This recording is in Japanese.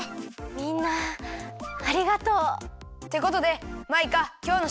みんなありがとう。ってことでマイカきょうのしょくざいをおねがい。